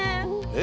え？